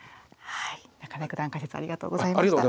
中根九段解説ありがとうございました。